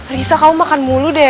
risa kamu makan mulu deh